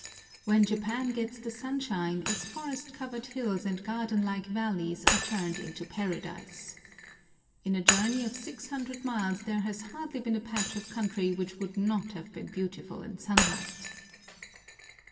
When Japan gets the sunshine, its forest covered hills and garden like valleys are turned into paradise. In a journey of 600 miles there has hardly been a patch of country which would not have been beautiful in sunlight.